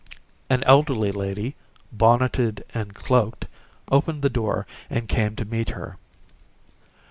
An elderly lady, bonneted and cloaked, opened the door and came to meet her.